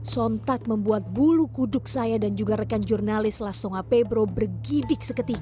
sontak membuat bulu kuduk saya dan juga rekan jurnalis lasonga pebro bergidik seketika